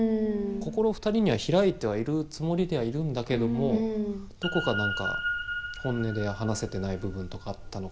心２人には開いてはいるつもりではいるんだけどもどこか何か本音で話せてない部分とかあったのかなって思ったり。